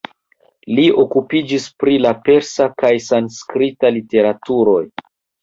Li okupiĝis pri la persa kaj sanskrita literaturoj.